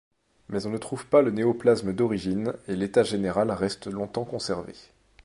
Mais on ne trouve pas le néoplasme d'origine et l'état général reste longtemps conservé.